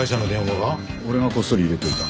俺がこっそり入れておいた。